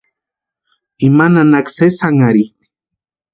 Ima nanaka sési janharhitʼi.